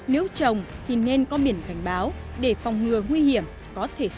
nếu trồng thì nên có biển cảnh báo để phòng ngừa nguy hiểm có thể xảy ra